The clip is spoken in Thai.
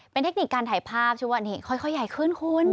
เป็นเทคนิคการถ่ายภาพชื่อว่านี่ค่อยใหญ่ขึ้นคุณ